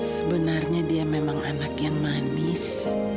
sebenarnya dia memang anak yang manis